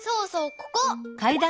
ここ！